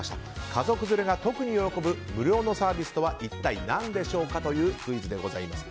家族連れが特に喜ぶ無料のサービスとは一体何でしょうかというクイズでございます。